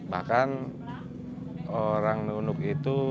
bahkan orang nunuk itu